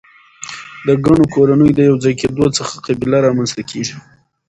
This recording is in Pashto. د ګڼو کورنیو د یو ځای کیدو څخه قبیله رامنځ ته کیږي.